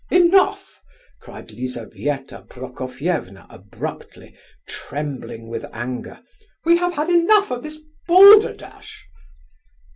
'" "Enough," cried Lizabetha Prokofievna abruptly, trembling with anger, "we have had enough of this balderdash!"